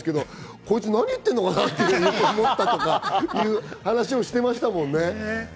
こいつ、何言ってるんだろうなと思ったとかっていう話をしてましたもんね。